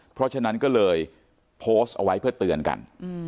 เพราะฉะนั้นก็เลยโพสต์เอาไว้เพื่อเตือนกัน